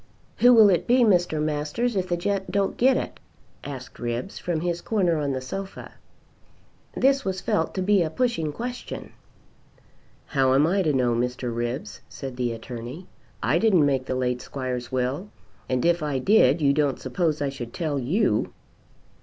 "Who will it be, Mr. Masters, if the gent don't get it?" asked Ribbs from his corner on the sofa. This was felt to be a pushing question. "How am I to know, Mr. Ribbs?" said the Attorney. "I didn't make the late squire's will; and if I did you don't suppose I should tell you."